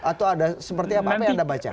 atau ada seperti apa apa yang anda baca